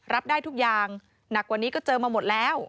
รับได้ทุกอย่างหนักกว่านี้ก็เจอมาหมดแล้ว